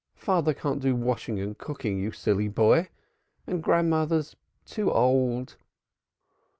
"Father can't do washing and cooking, you silly boy! And grandmother's too old."